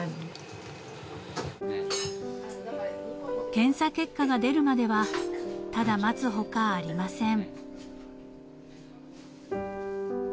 ［検査結果が出るまではただ待つ他ありません］